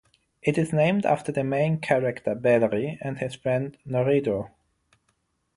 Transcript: It is named after the main character Bellri and his friend Noredo.